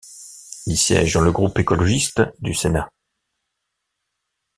Il siège dans le Groupe écologiste du Sénat.